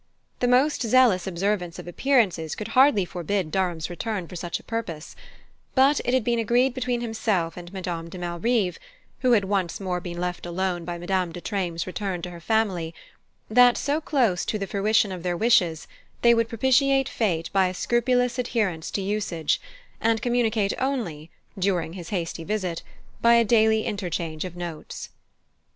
The most zealous observance of appearances could hardly forbid Durham's return for such a purpose; but it had been agreed between himself and Madame de Malrive who had once more been left alone by Madame de Treymes' return to her family that, so close to the fruition of their wishes, they would propitiate fate by a scrupulous adherence to usage, and communicate only, during his hasty visit, by a daily interchange of notes.